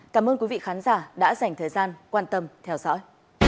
cảm ơn quý vị khán giả đã dành thời gian quan tâm theo dõi